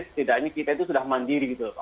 setidaknya kita itu sudah mandiri gitu loh